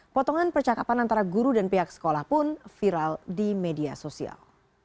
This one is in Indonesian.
potongan percakapan antara guru dan pihak sekolah pun viral di media sosial